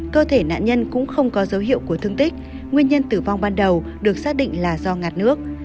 cơ thể nạn nhân cũng không có dấu hiệu của thương tích nguyên nhân tử vong ban đầu được xác định là do ngạt nước